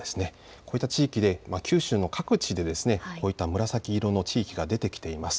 こういった地域で、九州の各地で紫色の地域が出てきています。